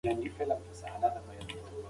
هیڅ مامور د مجسمې د وزن کولو هڅه ونه کړه.